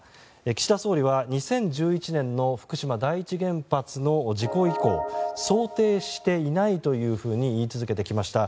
岸田総理は２０１１年の福島第一原発の事故以降想定していないというふうに言い続けてきました。